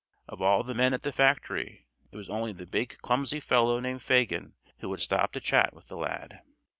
Of all the men at the factory it was only the big clumsy fellow named Fagin who would stop to chat with the lad.